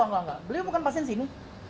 oh enggak enggak beliau bukan pasien sini